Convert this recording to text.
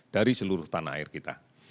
dari seluruh tanah air kita